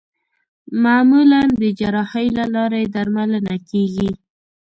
معمولا د جراحۍ له لارې درملنه کېږي.